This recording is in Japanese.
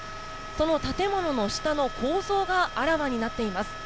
その建物の下の構造があらわになっています。